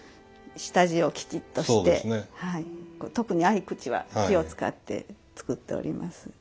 下地をきちっとして特に合口は気を遣って作っております。